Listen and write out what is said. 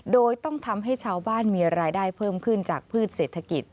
โดยต้องทำให้ชาวบ้านมีรายได้เพิ่มขึ้นจากพืชเศรษฐกิจ